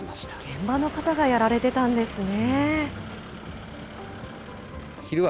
現場の方がやられてたんですね。